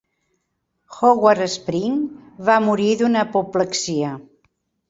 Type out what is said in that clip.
Howard Spring va morir d'una apoplexia.